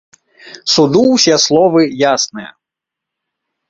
Суду ўсе словы ясныя!